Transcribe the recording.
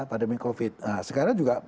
pandemi covid sekarang juga